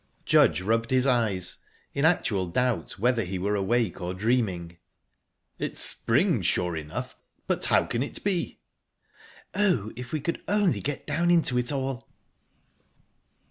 Judge rubbed his eyes, in actual doubt whether he were awake or dreaming. "It's spring, sure enough but how can it be?" "Oh, if we could only get down into it all!"